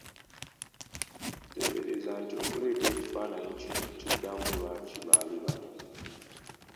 Nteebereza nti okuleeta ekifaananyi kino kiddamu lwaki baali bannoonya.